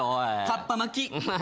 かっぱ巻き。